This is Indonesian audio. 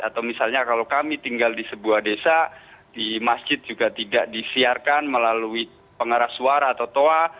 atau misalnya kalau kami tinggal di sebuah desa di masjid juga tidak disiarkan melalui pengarah suara atau toa